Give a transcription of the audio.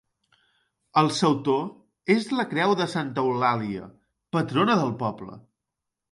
El sautor és la creu de Santa Eulàlia, patrona del poble.